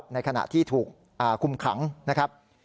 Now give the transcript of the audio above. ในขณะที่ถูกคุมขังนะครับ